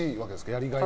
やりがいが。